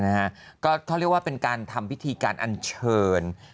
เขาเรียกว่าเป็นการทำพิธีการอันเชิญ